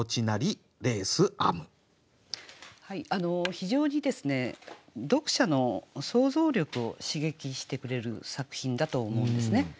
非常に読者の想像力を刺激してくれる作品だと思うんですね。